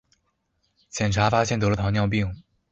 检查发现得了糖尿病